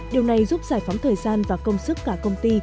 điều này giúp giải phóng thời gian và công sức cả công ty